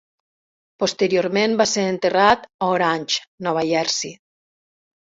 Posteriorment va ser enterrat a Orange, Nova Jersey.